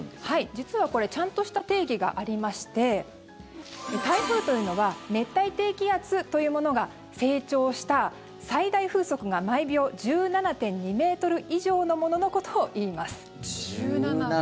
実はこれちゃんとした定義がありまして台風というのは熱帯低気圧というものが成長した最大風速が毎秒１７．２ｍ以上のもののことをいいます。